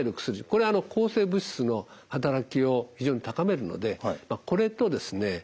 これは抗生物質の働きを非常に高めるのでこれとですね